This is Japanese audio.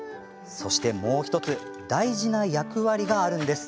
そして、もう１つ大事な役割があるんです。